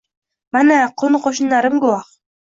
Mana, qo‘ni-qo‘shnilarim guvoh